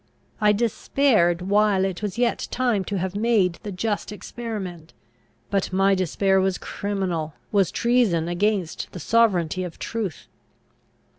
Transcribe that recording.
I despaired, while it was yet time to have made the just experiment; but my despair was criminal, was treason against the sovereignty of truth.